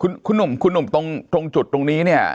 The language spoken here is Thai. คุณหนุ่มคุณหนุ่มตรงจุดตรงนี้เนี่ย